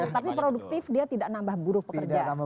tapi produktif dia tidak nambah buruh pekerja